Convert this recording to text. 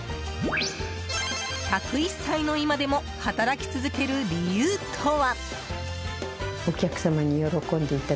１０１歳の今でも働き続ける理由とは？